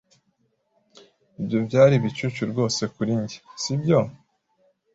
Ibyo byari ibicucu rwose kuri njye, sibyo?